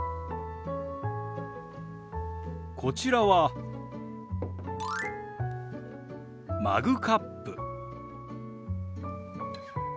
こちらはマグカップ。